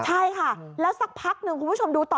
ใช่ค่ะแล้วสักพักหนึ่งคุณผู้ชมดูต่อ